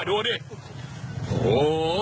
โอ้โห